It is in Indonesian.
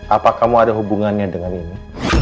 apa kamu ada hubungannya dengan ini